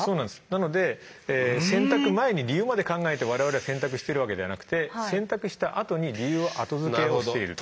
なので選択前に理由まで考えて我々は選択してるわけじゃなくて選択したあとに理由を後付けをしている。